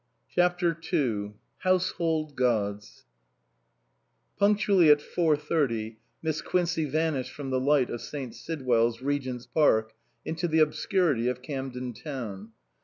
210 CHAPTER II HOUSEHOLD GODS PUNCTUALLY at four thirty Miss Quincey vanished from the light of St. Sidwell's, Regent's Park, into the obscurity of Camden Town.